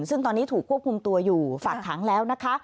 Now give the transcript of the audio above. ซึ่งตอนนี้ถูกควบคุมตัวอยู่ฝากขังแล้วนะคะ